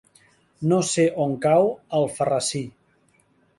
No sé on cau Alfarrasí.